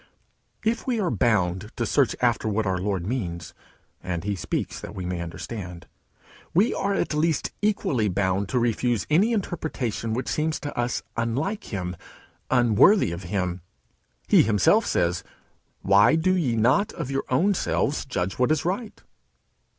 If we are bound to search after what our Lord means and he speaks that we may understand we are at least equally bound to refuse any interpretation which seems to us unlike him, unworthy of him. He himself says, "Why do ye not of your own selves judge what is right?"